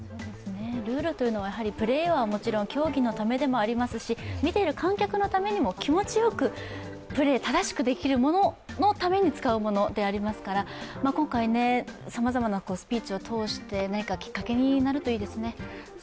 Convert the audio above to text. ルールというのはプレーはもちろん競技のためでもありますし見ている観客のためにもプレー正しくできるために使うものでありますから今回、さまざまなスピーチを通して何かきっかけになるといいですね。